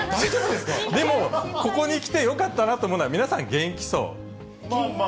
でも、ここに来てよかったなと思うのは、皆さん元気そう。